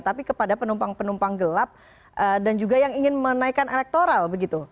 tapi kepada penumpang penumpang gelap dan juga yang ingin menaikkan elektoral begitu